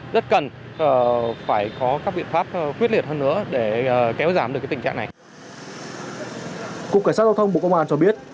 cục cảnh sát giao thông bộ công an cho biết